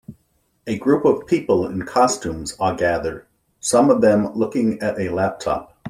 A group of people in costumes are gathered, some of them looking at a laptop.